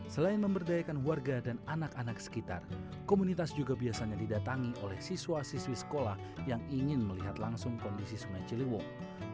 selain memberdayakan warga dan anak anak sekitar komunitas juga biasanya didatangi oleh siswa siswi sekolah yang ingin melihat langsung kondisi sungai ciliwung